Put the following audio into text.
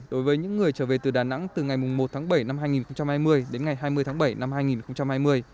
đối với những người trở về từ đà nẵng từ ngày một tháng bảy năm hai nghìn hai mươi đến ngày hai mươi tháng bảy năm hai nghìn hai mươi